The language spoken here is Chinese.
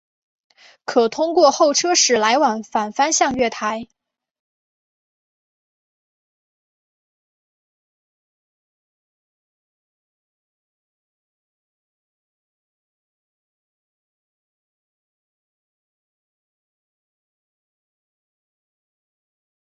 可通过候车室来往反方向月台。